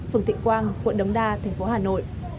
phường thị quang quận đống đa tp hà nội